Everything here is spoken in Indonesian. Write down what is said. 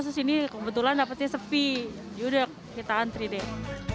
terus ini kebetulan dapetnya sepi jadi udah kita antri deh